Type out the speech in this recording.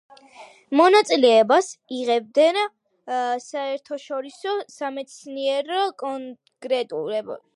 მონაწილეობას იღებდა საერთაშორისო სამეცნიერო კონგრესებში.